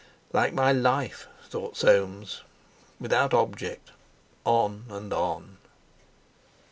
"Like my life," thought Soames, "without object, on and on!"